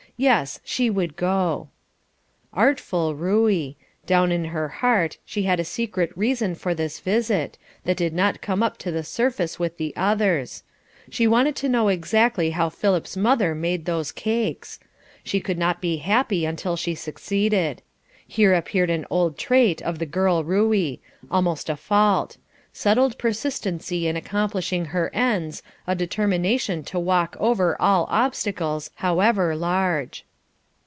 Yes, she would go. Artful Ruey! Down in her heart she had a secret reason for this visit, that did not come up to the surface with the others. She wanted to know exactly how Philip's mother made those cakes. She could not be happy until she succeeded. Here appeared an old trait of the girl Ruey almost a fault: settled persistency in accomplishing her ends, a determination to walk over all obstacles, however large.